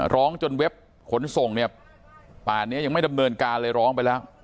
ร้องจนเว็บขนส่งเนี่ยป่านนี้ยังไม่ดำเนินการเลยร้องไปแล้ว